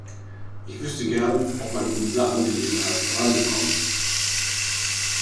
Ich wüsste gern, ob man in dieser Angelegenheit vorangekommen ist.